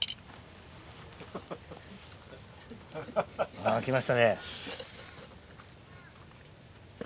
あぁきましたね。